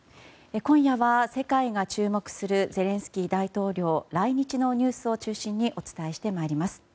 今夜は、世界が注目するゼレンスキー大統領来日のニュースを中心にお伝えしてまいります。